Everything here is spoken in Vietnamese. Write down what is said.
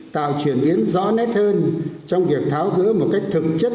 tạo chuyển biến rõ nét hơn trong việc tháo gỡ một cách thực chất